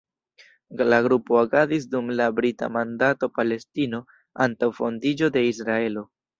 La grupo agadis dum la Brita mandato Palestino, antaŭ fondiĝo de Israelo.